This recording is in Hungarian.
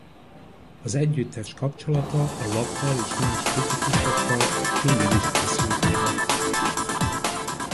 Az együttes kapcsolata a lappal és más kritikusokkal mindig is feszült maradt.